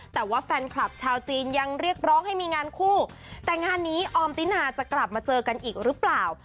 แต่ว่าแฟนคลับชาวจีนยังเรียกร้องให้มีงานคู่แต่งานนี้ออมตินาจะกลับมาเจอกันอีกหรือเปล่า